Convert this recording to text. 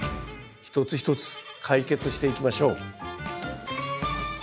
一つ一つ解決していきましょう。